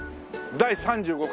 第３５回